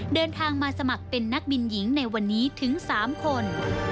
เดินทางมาสมัครเป็นนักบินหญิงในวันนี้ถึง๓คน